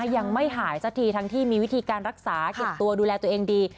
ยังไม่หายสักทีทั้งที่มีวิธีการรักษาเก็บตัวดูแลตัวเองดี